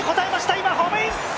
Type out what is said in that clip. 今ホームイン！